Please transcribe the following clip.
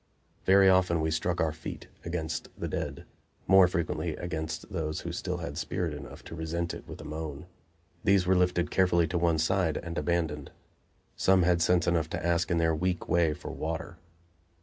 Very often we struck our feet against the dead; more frequently against those who still had spirit enough to resent it with a moan. These were lifted carefully to one side and abandoned. Some had sense enough to ask in their weak way for water.